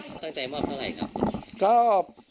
เขาตั้งใจมอบเท่าไหร่ครับ